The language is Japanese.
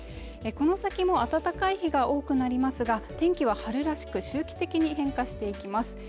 この先も暖かい日が多くなりますが天気は春らしく周期的に変化していきます